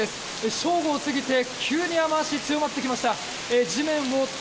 正午を過ぎて急に雨脚が強まってきました。